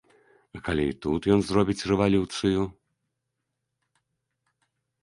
А калі і тут ён зробіць рэвалюцыю?